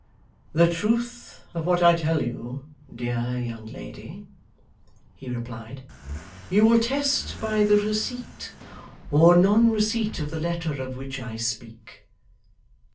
'The truth of what I tell you, dear young lady,' he replied, 'you will test by the receipt or non receipt of the letter of which I speak.